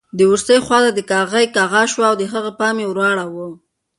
د اورسۍ خواته د کاغۍ کغا شوه او د هغې پام یې ور واړاوه.